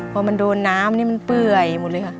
พอมันโดนน้ำนี่มันเปื่อยหมดเลยค่ะ